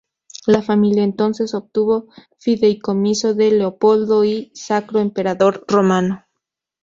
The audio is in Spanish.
La familia entonces obtuvo fideicomiso de Leopoldo I, Sacro Emperador Romano.